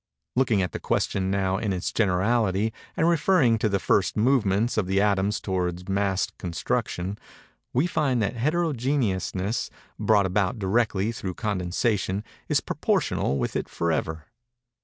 Looking at the question, now, in its generality, and referring to the first movements of the atoms towards mass constitution, we find that heterogeneousness, brought about directly through condensation, is proportional with it forever.